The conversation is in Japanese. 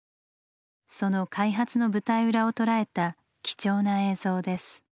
その開発の舞台裏を捉えた貴重な映像です。